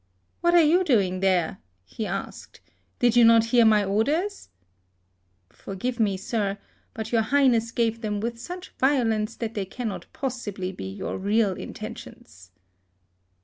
"What are you doing there?" he asked. 60 HISTORY OF " Did you not hear my orders ?"" Forgive me, sir ; but your Highness gave them with such violence that they cannot possibly be your real intentions."